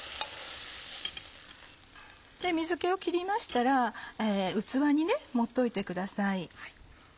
水気を切りましたら器に盛っておいてください。